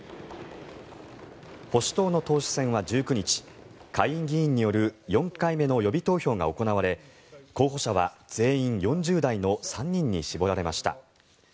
保守党の党首選は１９日下院議員による４回目の予備投票が行われ候補者は全員４０代の３人に絞られました。